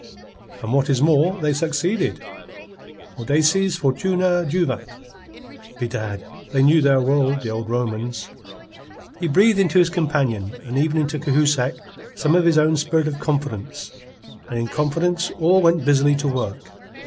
"And what is more, they've succeeded. Audaces fortuna juvat. Bedad, they knew their world, the old Romans." He breathed into his companions and even into Cahusac some of his own spirit of confidence, and in confidence all went busily to work.